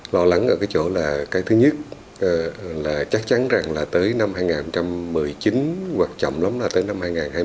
lo lắng ở cái chỗ là cái thứ nhất là chắc chắn rằng là tới năm hai nghìn một mươi chín hoặc chậm lắm là tới năm hai nghìn hai mươi